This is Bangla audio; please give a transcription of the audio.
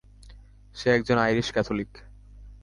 সে একজন আইরিশ ক্যাথোলিক।